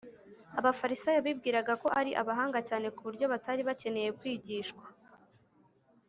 abafarisayo bibwiraga ko ari abahanga cyane ku buryo batari bakeneye kwigishwa